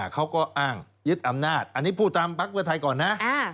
เขาก็อ้างยึดอำนาจอันนี้พูดตามพักเพื่อไทยก่อนนะ